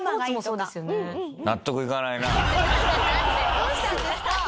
どうしたんですか？